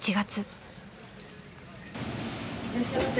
いらっしゃいませ。